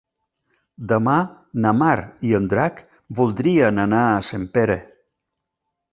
Demà na Mar i en Drac voldrien anar a Sempere.